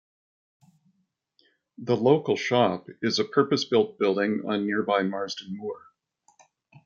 The "Local Shop" is a purpose-built building on nearby Marsden Moor.